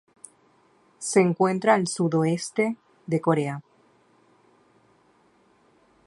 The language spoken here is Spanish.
Se encuentra al sudeste de Corea.